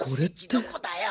どこだよ？